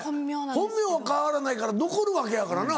本名は変わらないから残るわけやからな。